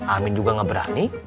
amin juga gak berani